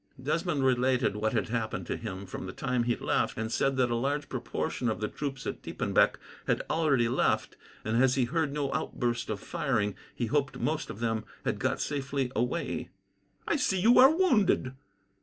Desmond related what had happened to him from the time he left, and said that a large proportion of the troops at Diepenbeck had already left, and, as he heard no outburst of firing, he hoped most of them had got safely away. "I see you are wounded."